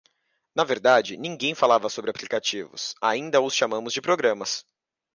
Na verdade, ninguém falava sobre aplicativos: ainda os chamamos de programas.